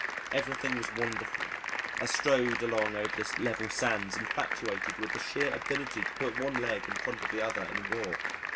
Everything was wonderful! I strode along over the level sands infatuated with the sheer ability to put one leg in front of the other and walk.